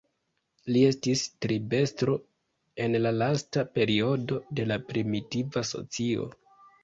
Li estis tribestro en la lasta periodo de la primitiva socio.